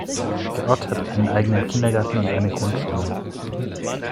Der Ort hat einen eigenen Kindergarten und eine Grundschule.